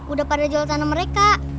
udah pada jual tanah mereka